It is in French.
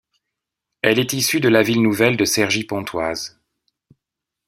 Elle est issue de la ville nouvelle de Cergy-Pontoise.